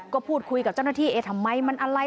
ก็พูดคุยกับเจ้าหน้าที่เอ๊ะทำไมมันอะไร